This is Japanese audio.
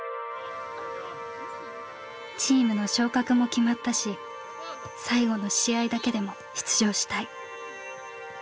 「チームの昇格も決まったし最後の試合だけでも出場したい。